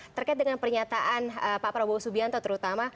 terkait dengan pernyataan pak prabowo subianto terutama